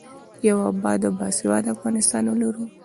یو اباد او باسواده افغانستان ولرو.